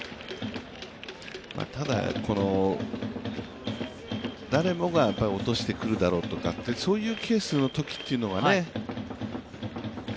ただ誰もが落としてくるだろうとかって、そういうケースのときっていうのはね。